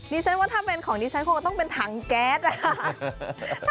ดิฉันว่าถ้าเป็นของดิฉันคงต้องเป็นถังแก๊สนะคะ